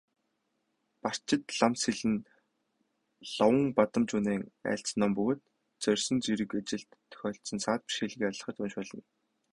Барчидламсэл нь Ловонбадамжунайн айлдсан ном бөгөөд зорьсон хэрэг ажилд тохиолдсон саад бэрхшээлийг арилгахад уншуулна.